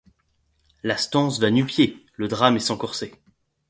La stance va nu-pieds ! le drame est sans corset !